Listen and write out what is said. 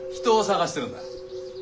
人を探してるんだ。